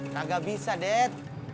kagak bisa dad